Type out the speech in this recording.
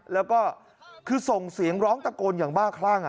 แล้วก็คือส่งเสียงร้องตะโกนอย่างบ้าคลั่ง